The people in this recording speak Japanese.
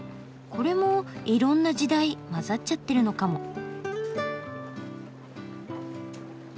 これもいろんな時代まざっちゃってるのかも。